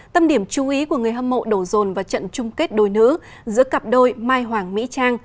tâm điểm chú ý của người hâm mộ đổ rồn vào trận chung kết đôi nữ giữa cặp đôi mai hoàng mỹ trang